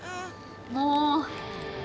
もう。